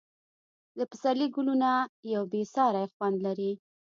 د پسرلي ګلونه یو بې ساری خوند لري.